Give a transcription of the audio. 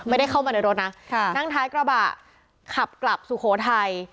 ไม่ได้เข้ามาในรถนะนั่งท้ายกระบะขับกลับสุโขทัย